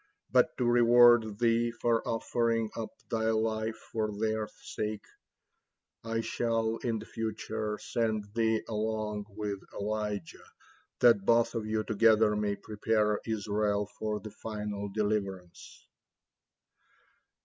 But to reward thee for offering up thy life for their sake, I shall in the future send thee along with Elijah, that both of you together may prepare Israel for the final deliverance."